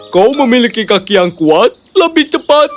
kau memiliki kaki yang kuat lebih cepat